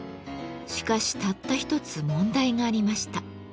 しかしたった一つ問題がありました。